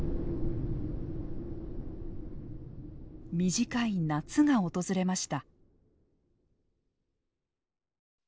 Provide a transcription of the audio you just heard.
短い夏が訪れました。